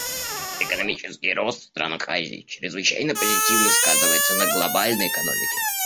Экономический рост в странах Азии чрезвычайно позитивно сказывается на глобальной экономике.